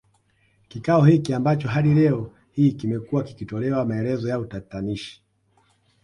Kikao hiki ambacho hadi leo hii kimekuwa kikitolewa maelezo ya utatanishi